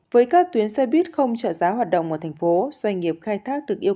với các tuyến xe buýt không trợ giá hoạt động ở thành phố doanh nghiệp khai thác được yêu